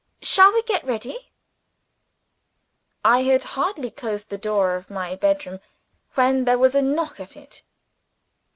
Shall we get ready?" I had hardly closed the door of my bedroom when there was a knock at it.